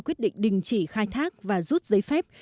quyết định đình chỉ khai thác và rút giấy phép